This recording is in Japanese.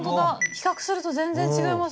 比較すると全然違います。